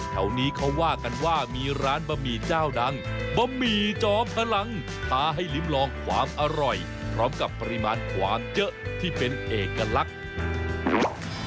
แถวนี้เขาว่ากันว่ามีร้านบะหมี่เจ้าดังบะหมี่จอมพลังท้าให้ลิ้มลองความอร่อยพร้อมกับปริมาณความเยอะที่เป็นเอกลักษณ์